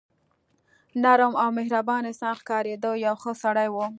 نرم او مهربان انسان ښکارېده، یو ښه سړی و.